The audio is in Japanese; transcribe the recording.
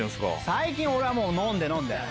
最近俺は飲んで飲んで。